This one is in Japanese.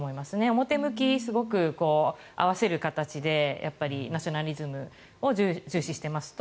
表向き、すごく合わせる形でナショナリズムを重視していますと。